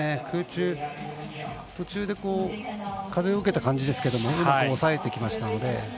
空中途中で、風を受けた感じですけどうまく抑えてきましたので。